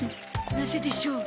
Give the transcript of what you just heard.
なぜでしょう？